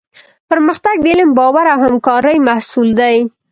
پرمختګ د علم، باور او همکارۍ محصول دی.